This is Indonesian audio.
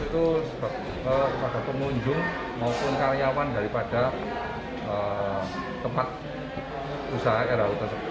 tes web itu kepada pengunjung maupun karyawan daripada tempat usaha